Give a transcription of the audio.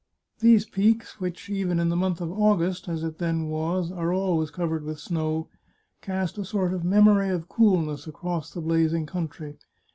These peaks, which, even in the month of Augfust, as it then was, are always covered with snow, cast a sort of memory of coolness across the blazing country.